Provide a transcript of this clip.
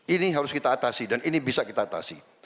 ini harus kita atasi dan ini bisa kita atasi